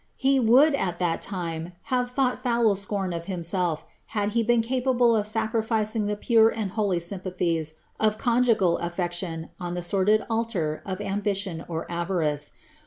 He would, at that time, have thought foul scorn of himself had he been capable of sacrificing the pure and holy sympathies of conjugal tfibction on the sordid altar of ambition or avarice.